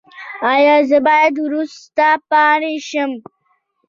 ایا زه باید وروسته پاتې شم؟